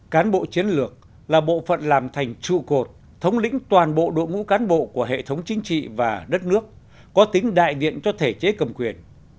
cán bộ chiến lược là bộ phận làm thành trụ cột thống lĩnh toàn bộ đội ngũ cán bộ của hệ thống chính trị và đất nước có tính đại diện cho thể chế cầm quyền